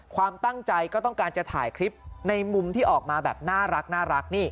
ความตั้งใจก็ต้องการจะถ่ายคลิปในมุมที่ออกมาแบบน่ารัก